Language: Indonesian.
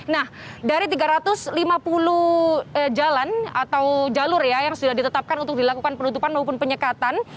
nah dari tiga ratus lima puluh jalan atau jalur ya yang sudah ditetapkan untuk dilakukan penutupan maupun penyekatan